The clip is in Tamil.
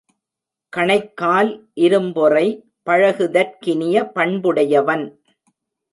கணைக்கால் இரும்பொறை பழகுதற்கினிய பண்புடையவன்.